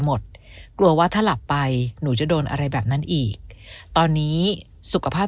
หมดกลัวว่าถ้าหลับไปหนูจะโดนอะไรแบบนั้นอีกตอนนี้สุขภาพ